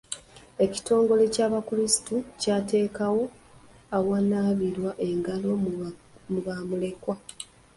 Ekitongole ky'abakulisitu kyateekawo awanaabirwa engalo mu bamulekwa.